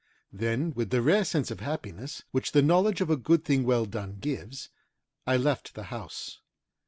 Then with the rare sense of happiness which the knowledge of a good thing well done gives, I left the house.